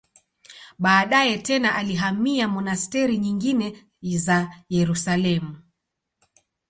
Baadaye tena alihamia monasteri nyingine za Yerusalemu.